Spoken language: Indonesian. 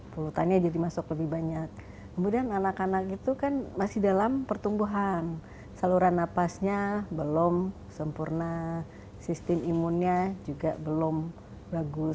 polutannya jadi masuk lebih banyak kemudian anak anak itu kan masih dalam pertumbuhan saluran nafasnya belum sempurna sistem imunnya juga belum bagus